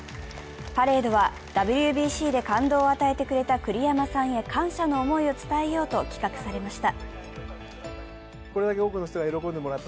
パレードはＷＢＣで感動を与えてくれた栗山さんへ感謝の思いを伝えようと企画されました。